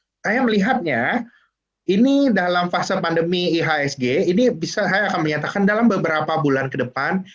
saya melihatnya ini dalam fase pandemi ihsg ini bisa saya akan menyatakan dalam beberapa bulan ke depan